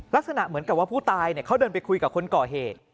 ลักษณะเหมือนกับว่าผู้ตายเขาเดินไปคุยกับคนก่อเหตุ